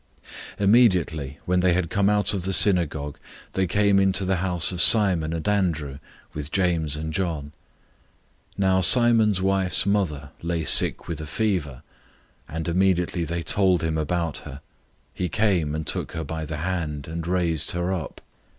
001:029 Immediately, when they had come out of the synagogue, they came into the house of Simon and Andrew, with James and John. 001:030 Now Simon's wife's mother lay sick with a fever, and immediately they told him about her. 001:031 He came and took her by the hand, and raised her up.